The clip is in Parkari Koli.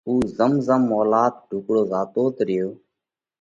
اُو زم زم مولات ڍُوڪڙو زاتوت ريو،